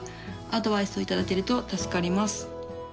アドバイスを頂けると助かります。